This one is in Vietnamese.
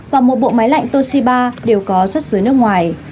và một bộ máy lạnh toshiba đều có xuất xứ nước ngoài